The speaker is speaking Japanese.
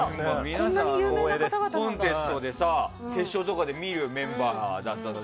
コンテストで決勝とかで見るメンバーだったので。